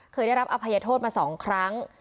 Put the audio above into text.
เคยได้รับอภัยโทษมา๒ครั้ง